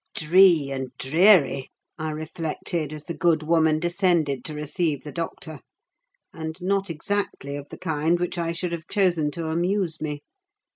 Dree, and dreary! I reflected as the good woman descended to receive the doctor: and not exactly of the kind which I should have chosen to amuse me.